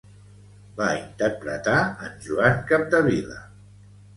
Va interpretar en Joan Capdevila.